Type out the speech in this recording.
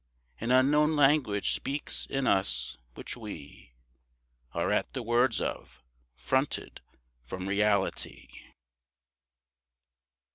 An unknown language speaks in us, which we Are at the words of, fronted from reality.